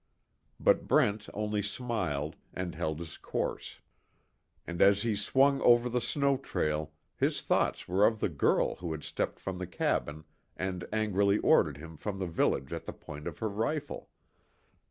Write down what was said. But Brent only smiled, and held his course. And as he swung over the snow trail his thoughts were of the girl who had stepped from the cabin and angrily ordered him from the village at the point of her rifle.